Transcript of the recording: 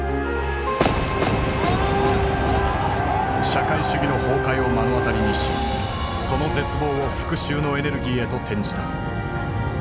社会主義の崩壊を目の当たりにしその絶望を復讐のエネルギーへと転じた。